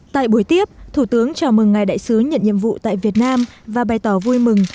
tại buổi tiếp thủ tướng chào mừng ngài đại sứ nhận nhiệm vụ tại việt nam và bày tỏ vui mừng